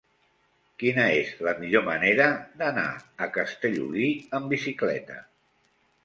Quina és la millor manera d'anar a Castellolí amb bicicleta?